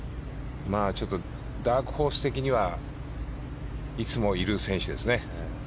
ダークホース的にはいつもいる選手ですね。